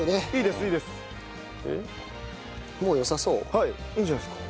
はいいいんじゃないですか？